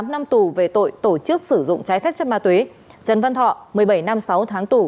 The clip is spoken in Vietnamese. tám năm tù về tội tổ chức sử dụng trái phép chất ma túy trần văn thọ một mươi bảy năm sáu tháng tù